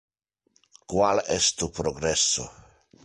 Qual es tu progresso?